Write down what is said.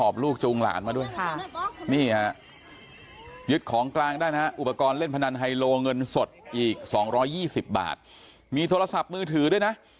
๑๒๐บาทมีโทรศัพท์มือถือด้วยนะ